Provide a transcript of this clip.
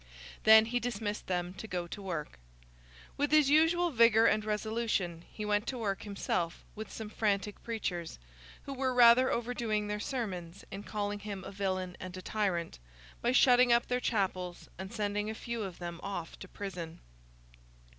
Then he dismissed them to go to work. With his usual vigour and resolution he went to work himself with some frantic preachers—who were rather overdoing their sermons in calling him a villain and a tyrant—by shutting up their chapels, and sending a few of them off to prison.